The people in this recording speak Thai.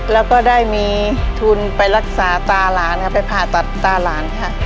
แล้วก็ได้มีทุนไปรักษาตาหลานค่ะไปผ่าตัดตาหลานค่ะ